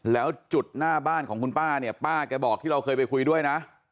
แล้วจุดหน้าบ้านของคุณป้าเนี่ยป้าแกบอกที่เราเคยไปคุยด้วยนะ